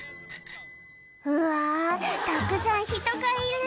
うわー、たくさん人がいる。